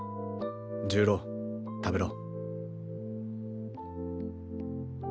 重郎食べろ。